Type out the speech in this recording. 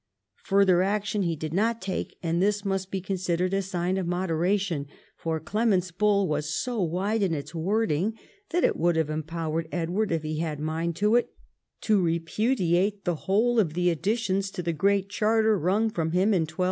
Further action he did not take, and this must be con sidered a sign of moderation, for Clement's bull was so Avide in its wording that it Avould have empowered Edward, if he had a mind to it, to repudiate the whole of the additions to the Great Charter wrung from him in 1297.